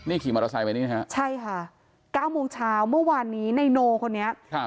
นี่ขี่มอเตอร์ไซค์ไปนี่ฮะใช่ค่ะเก้าโมงเช้าเมื่อวานนี้นายโนคนนี้ครับ